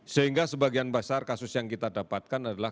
sehingga sebagian besar kasus yang kita dapatkan adalah